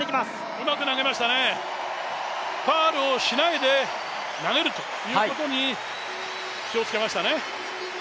うまく投げましたね、ファウルをしないで投げるということに気をつけましたね。